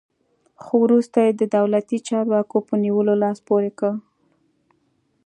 خو وروسته یې د دولتي چارواکو په نیولو لاس پورې کړ.